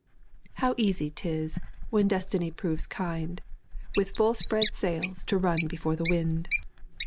How easy 'tis, when destiny proves kind, With full spread sails to run before the wind.